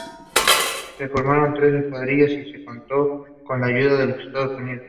Se formaron tres escuadrillas y se contó con la ayuda de los Estados Unidos.